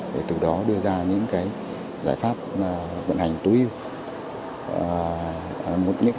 để từ đó đưa ra những giải pháp vận hành tối ưu